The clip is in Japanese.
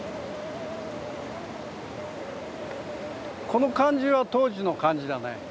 この感じは当時の感じだね